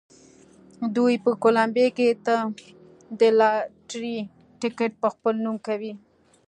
دوی په کولمبیا کې د لاټرۍ ټکټ په خپل نوم کوي.